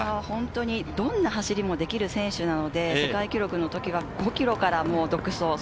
本当にどんな走りもできる選手なので、世界記録の時は５ｋｍから独走。